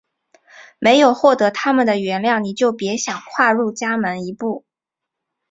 没有获得它们的原谅你就别想跨入家门一步！